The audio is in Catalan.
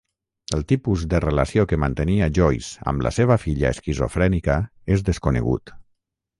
El tipus de relació que mantenia Joyce amb la seva filla esquizofrènica és desconegut.